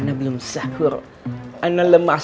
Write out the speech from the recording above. saya belum sahur saya lemas